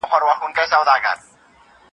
داسي د خوښۍ ډک مناجات زما په زړه کي دی